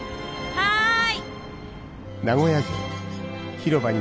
はい。